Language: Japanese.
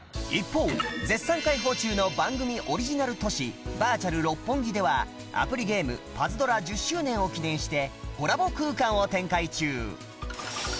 一方絶賛開放中の番組オリジナル都市バーチャル六本木ではアプリゲーム『パズドラ』１０周年を記念してコラボ空間を展開中